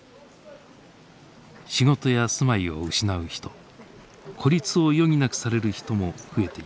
仕事や住まいを失う人孤立を余儀なくされる人も増えています。